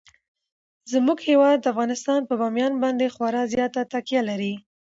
زموږ هیواد افغانستان په بامیان باندې خورا زیاته تکیه لري.